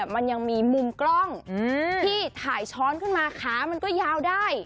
มันยังมีมุมกล้องที่ถ่ายช้อนขึ้นมาขามันก็ยาวได้